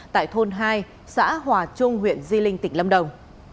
tại thôn hai xã hòa trung huyện di linh tỉnh lâm đồng